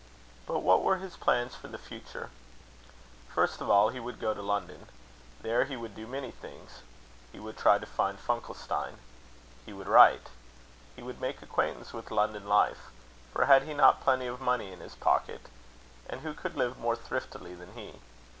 But what were his plans for the future? First of all, he would go to London. There he would do many things. He would try to find Funkelstein. He would write. He would make acquaintance with London life; for had he not plenty of money in his pocket? And who could live more thriftily than he?